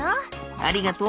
ありがとう。